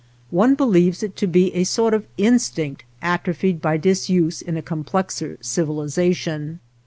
One believes it to be a sort of instinct atrophied by disuse in a complexer civilization.